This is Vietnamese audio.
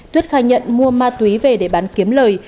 tuyết khai nhận mua ma túy về để bán kiếm lời